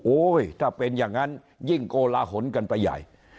ถ้าเป็นอย่างนั้นยิ่งโกลาหลกันไปใหญ่